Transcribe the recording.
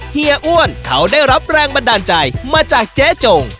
เยอ้วนเขาได้รับแรงบันดาลใจมาจากเจ๊จง